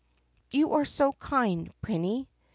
"You are so kind, Prinny."